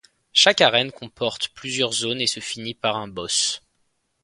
Chaque arène comporte plusieurs zones et se finit par un boss.